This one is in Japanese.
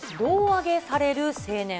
胴上げされる青年。